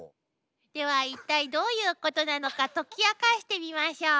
では一体どういうことなのか解き明かしてみましょう。